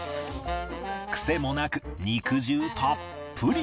クセもなく肉汁たっぷり！